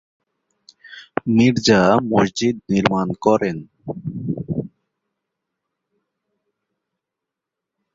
মির্জা মসজিদ নির্মাণ করেন।